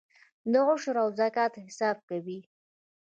د عشر او زکات حساب کوئ؟